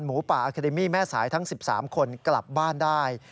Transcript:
ป่าอาเคเดมี่แม่สายทั้ง๑๓คนกลับบ้านได้